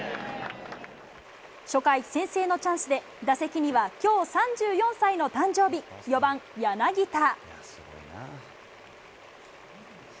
初回、先制のチャンスで打席には、きょう３４歳の誕生日、４番柳田。